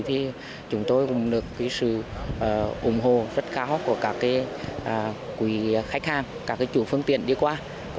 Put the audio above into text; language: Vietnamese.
thì chúng tôi cũng được sự ủng hộ rất khao của các quý khách hàng các chủ phương tiện đi qua